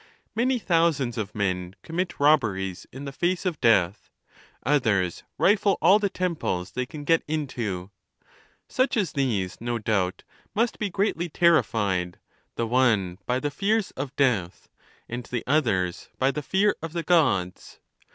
Many thousands of men commit robberies in the face of death; others rifle all the temples they can get into : such as these, no doubt, must be greatly terrified, the one by the fears of death, and the others by the fear of the Gods.